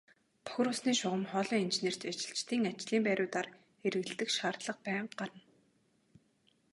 Бохир усны шугам хоолойн инженерт ажилчдын ажлын байруудаар эргэлдэх шаардлага байнга гарна.